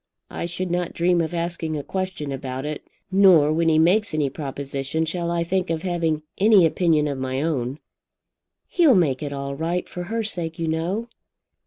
I should not dream of asking a question about it. Nor when he makes any proposition shall I think of having any opinion of my own." "He'll make it all right; for her sake, you know."